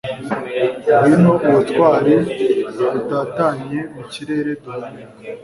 Ngwino ubutwari butatanye mu kirere duhumeka